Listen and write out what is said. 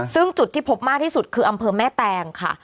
ซึ่งจุดที่พบมากที่สุดคืออำเภอแม่แตงค่ะ